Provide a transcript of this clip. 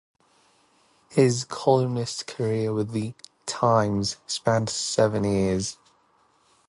His columnist career with the "Times" spanned seven years.